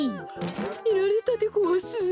みられたでごわす。